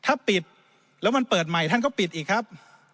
ถ้าปิดแล้วมันเปิดใหม่ท่านก็ปิดอีกครับ